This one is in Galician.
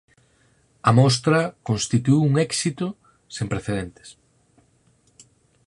A mostra constituíu un éxito sen precedentes.